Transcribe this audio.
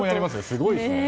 すごいですね。